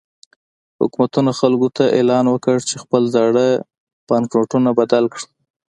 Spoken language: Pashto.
حکومت خلکو ته اعلان وکړ چې خپل زاړه بانکنوټونه بدل کړي.